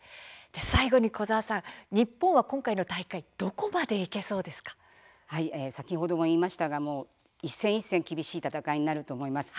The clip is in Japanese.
最後に、小澤さん日本は今回の大会先ほども言いましたが一戦一戦、厳しい戦いになると思います。